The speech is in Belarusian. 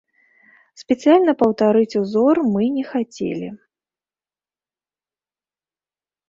Спецыяльна паўтарыць узор мы не хацелі.